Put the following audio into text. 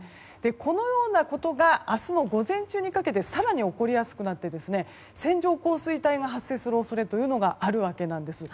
このようなことが明日の午前中にかけて更に起こりやすくなって線状降水帯が発生する恐れがあるわけなんです。